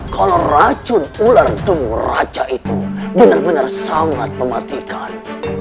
kalau racun ular tumbuh raca itu benar benar sangat mematikan